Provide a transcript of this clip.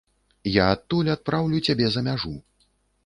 Я адтуль адпраўлю цябе за мяжу.